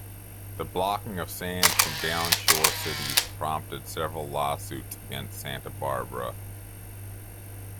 The blocking of sand from downshore cities prompted several lawsuits against Santa Barbara.